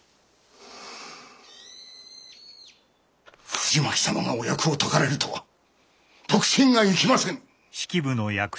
藤巻様がお役を解かれるとは得心がいきませぬ。